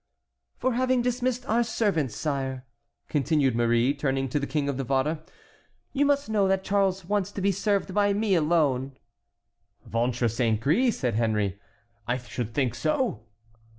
"For having dismissed our servants, sire," continued Marie, turning to the King of Navarre; "you must know that Charles wants to be served by me alone." "Ventre saint gris!" said Henry, "I should think so!"